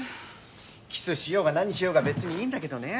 キスしようが何しようが別にいいんだけどね。